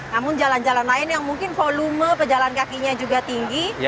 namun jalan jalan lain yang mungkin volume pejalan kakinya juga tinggi